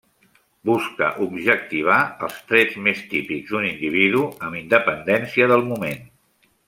Busca objectivar els trets més típics d'un individu amb independència del moment.